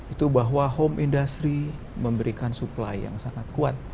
itu bahwa home industry memberikan supply yang sangat kuat